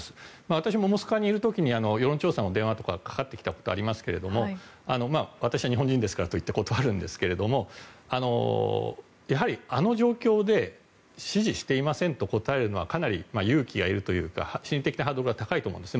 私もモスクワにいる時に世論調査の電話とかかかってきたことがありますが私は日本人ですからと言って断るんですがあの状況で支持していませんと答えるのはかなり勇気がいるというか心理的なハードルが高いと思うんです。